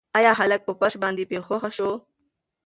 ایا هلک په فرش باندې بې هوښه شو؟